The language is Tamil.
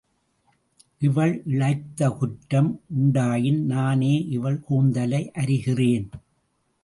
இவள் இழைத்த குற்றம் உண்டாயின் நானே இவள் கூந்தலை அரிகின்றேன்.